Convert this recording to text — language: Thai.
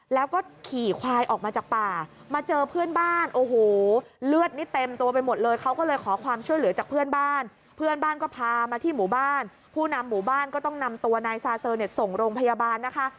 แล้วก็ขี่ควายออกมาจากป่ามาเจอเพื่อนบ้านโอ้โหเลือดนี่เต็มตัวไปหมดเลยเขาก็เลยขอความช่วยเหลือจากเพื่อนบ้านเพื่อนบ้านก็พามาที่หมู่บ้านผู้นำหมู่บ้านก็ต้องนำตัวนายซาเซอร์เนี่ยส่งโรงพยาบาลนะคะ